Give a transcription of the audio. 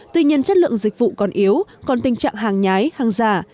tuy nhiên chất lượng dịch vụ còn yếu còn tình trạng hàng nhái hàng giả